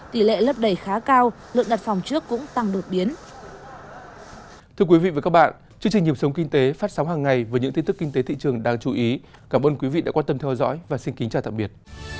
tỷ lệ lấp đầy khá cao lượng đặt phòng trước cũng tăng đột biến